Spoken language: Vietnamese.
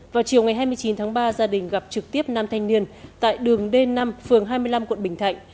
vào chiều ngày hai mươi chín tháng ba gia đình gặp trực tiếp năm thanh niên tại đường d năm phường hai mươi năm quận bình thạnh